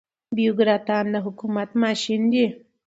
بيوکراتان د حکومت ماشين دي.